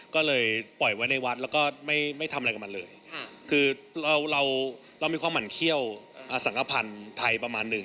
ก็เลยปล่อยไว้ในวัดแล้วก็ไม่ทำอะไรกับมันเลยคือเราเรามีความหมั่นเขี้ยวอสังกภัณฑ์ไทยประมาณหนึ่ง